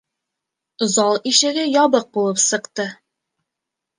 Зал ишеге ябыҡ булып сыҡты.